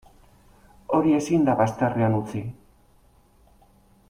Hori ezin da bazterrean utzi.